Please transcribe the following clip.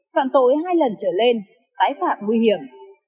phạm tội hai lần trở lên tái phạm nguy hiểm